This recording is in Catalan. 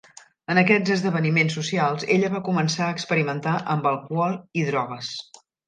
En aquests esdeveniments socials, ella va començar a experimentar amb alcohol i drogues.